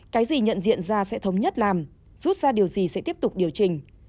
cái gì nhận diện ra sẽ thống nhất làm rút ra điều gì sẽ tiếp tục điều chỉnh